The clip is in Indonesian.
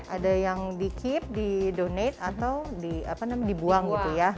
ada yang di keep di donate atau dibuang gitu ya